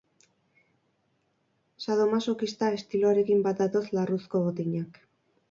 Sadomasokista estiloarekin bat datoz larruzko botinak.